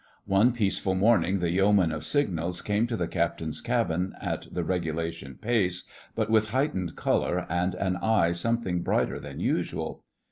One peaceful morning the Yeoman of Signals came to the captain's cabin at the regulation pace, but with heightened colour and an eye something brighter than usual.